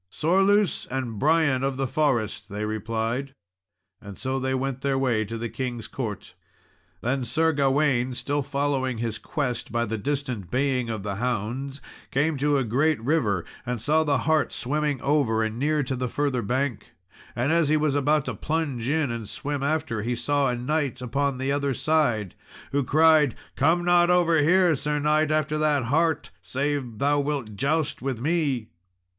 "Sorlous and Brian of the Forest," they replied; and so they went their way to the king's court. Then Sir Gawain, still following his quest by the distant baying of the hounds, came to a great river, and saw the hart swimming over and near to the further bank. And as he was about to plunge in and swim after, he saw a knight upon the other side, who cried, "Come not over here, Sir knight, after that hart, save thou wilt joust with me."